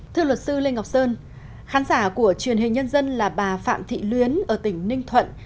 thưa luật sư lê ngọc sơn khán giả của truyền hình nhân dân là bà phạm thị luyến ở tỉnh ninh thuận